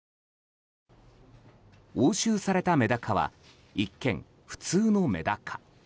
押収されたメダカは一見、普通のメダカ。